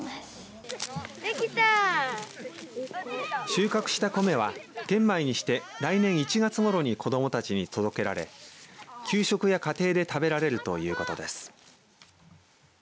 収穫した米は玄米にして来年１月ごろに子どもたちに届けられ給食や家庭で食べられるということです。